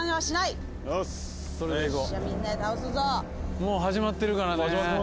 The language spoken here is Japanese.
もう始まってるからね。